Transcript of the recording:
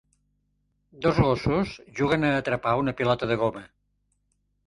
Dos gossos juguen a atrapar una pilota de goma.